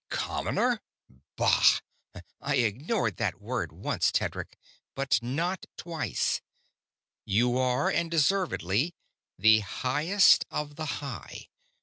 "Commoner? Bah! I ignored that word once, Tedric, but not twice. You are, and deservedly, the Highest of the High.